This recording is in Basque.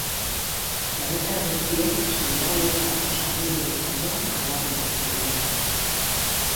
Herritar guztiek sendagaietarako sarbidea izatea aldarrikatzen dute.